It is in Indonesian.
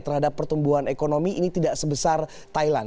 terhadap pertumbuhan ekonomi ini tidak sebesar thailand